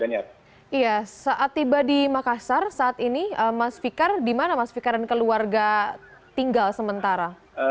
iya saat tiba di makassar saat ini mas fikar di mana mas fikar dan keluarga tinggal sementara